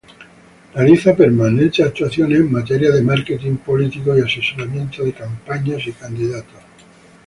Realiza permanentes actualizaciones en Materia de Marketing Político y Asesoramiento de Campañas y candidatos.